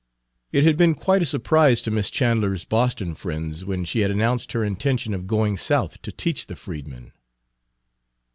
It had been quite a surprise to Miss Chandler's Boston friends when she had announced Page 151 her intention of going South to teach the freedmen.